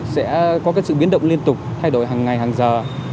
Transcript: sẽ có cái sự biến động liên tục thay đổi hàng ngày hàng giờ